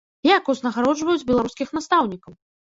Як узнагароджваюць беларускіх настаўнікаў?